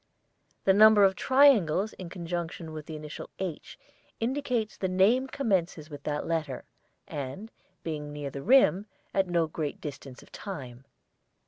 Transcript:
The number of triangles in conjunction with the initial 'H' indicates the name commences with that letter, and, being near the rim, at no great distance of time.